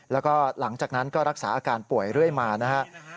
แล้วก็หลังจากนั้นก็รักษาอาการป่วยเรื่อยมานะครับ